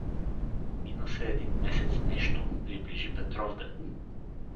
Мина се един месец нещо, приближи Петровден.